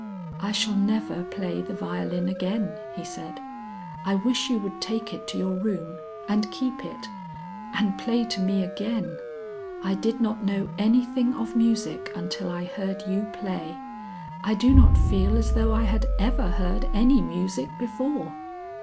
"I shall never play the violin again," he said. "I wish you would take it to your room and keep it . And play to me again. I did not know anything of music until I heard you play. I do not feel as though I had ever heard any music before."